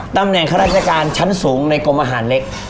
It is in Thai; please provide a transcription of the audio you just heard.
ตำแหน่งข้าราชการชั้นสูงในกรมอาหารเล็ก